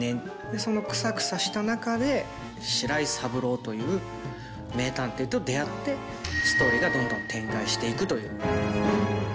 そのクサクサした中で白井三郎という名探偵と出会ってストーリーがどんどん展開していくという。